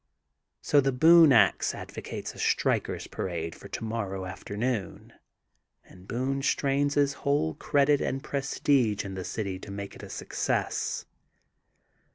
So The Boone Ax advocates a strikers' pa rade for tomorrow afternoon and Boone strains his whole credit and prestige in the city to make it a success.